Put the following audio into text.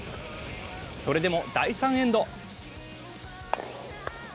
それでも第３エンド。